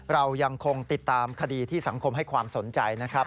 เรายังคงติดตามคดีที่สังคมให้ความสนใจนะครับ